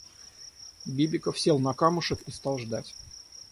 Бибиков сел на камушек и стал ждать.